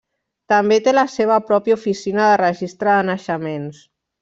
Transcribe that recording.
També té la seva pròpia oficina de registre de naixements.